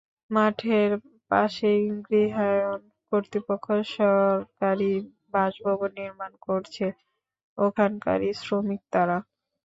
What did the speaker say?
মাঠের পাশেই গৃহায়ণ কর্তৃপক্ষ সরকারি বাসভবন নির্মাণ করছে, ওখানকারই শ্রমিক তাঁরা।